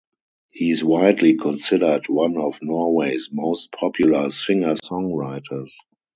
He is widely considered one of Norway's most popular singer-songwriters.